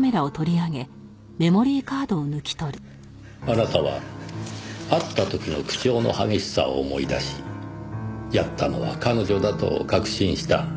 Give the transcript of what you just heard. あなたは会った時の口調の激しさを思い出しやったのは彼女だと確信した。